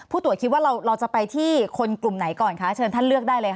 ตรวจคิดว่าเราจะไปที่คนกลุ่มไหนก่อนคะเชิญท่านเลือกได้เลยค่ะ